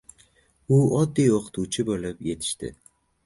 .. U “oddiy oʻqituvchi” boʻlib yetishdi.